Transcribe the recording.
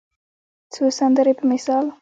څو سندرې په مثال